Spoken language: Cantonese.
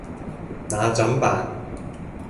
那怎辦